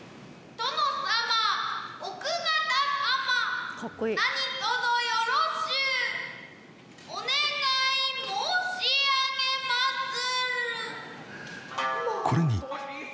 殿様奥方様何とぞよろしゅうお願い申し上げまする。